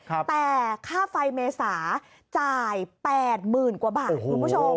แต่ค่าไฟเมษาจ่าย๘๐๐๐กว่าบาทคุณผู้ชม